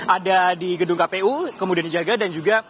ada di gedung kpu kemudian dijaga dan juga